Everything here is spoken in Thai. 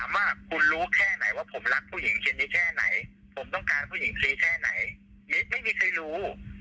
ไม่เคยรู้